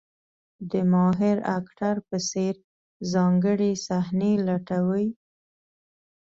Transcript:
د ماهر اکټر په څېر ځانګړې صحنې لټوي.